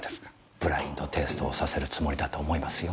ブラインド・テイストをさせるつもりだと思いますよ。